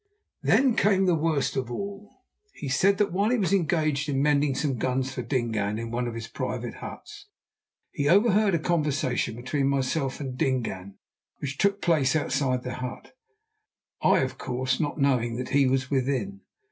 Then came the worst of all. He said that while he was engaged in mending some guns for Dingaan in one of his private huts, he overheard a conversation between myself and Dingaan which took place outside the hut, I, of course, not knowing that he was within.